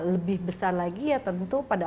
lebih besar lagi ya tentu pada